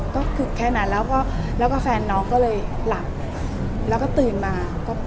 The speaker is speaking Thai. ก็คือแค่นั้นแล้วก็แฟนน้องก็เลยหลับแล้วก็ตื่นมา